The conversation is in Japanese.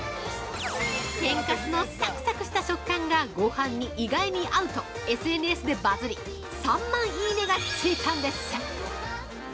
◆天かすのサクサクした食感がごはんに意外に合うとＳＮＳでバズり、３万いいね！がついたんです。